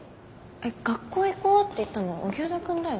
えっ学校行こうって言ったの荻生田くんだよね？